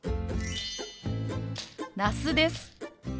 那須です。